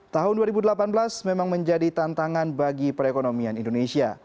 tahun dua ribu delapan belas memang menjadi tantangan bagi perekonomian indonesia